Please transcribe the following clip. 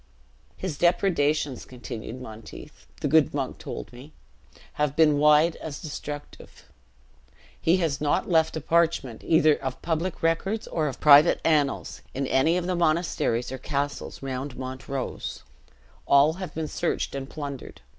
"His depredations," continued Monteith, "the good monk told me, have been wide as destructive. He has not left a parchment, either of public records or of private annals, in any of the monasteries or castles round Montrose; all have been searched and plundered.